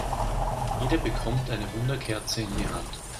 Jeder bekommt eine Wunderkerze in die Hand.